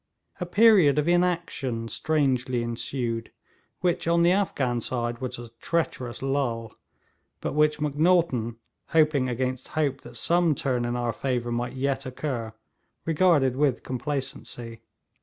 A period of inaction strangely ensued, which on the Afghan side was a treacherous lull, but which Macnaghten, hoping against hope that some turn in our favour might yet occur, regarded with complacency.